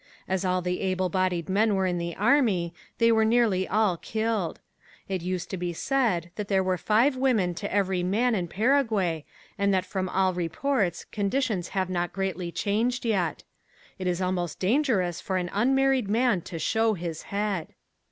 As all the able bodied men were in the army they were nearly all killed. It used to be said that there were five women to every man in Paraguay and from all reports conditions have not greatly changed yet. It is almost dangerous for an unmarried man to show his head.